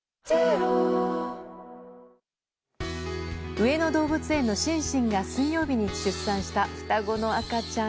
上野動物園のシンシンが水曜日に出産した双子の赤ちゃん。